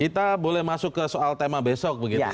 kita boleh masuk ke soal tema besok begitu ya